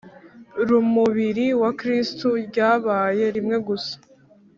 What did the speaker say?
rumubiri wa kristu ryabaye rimwe gusa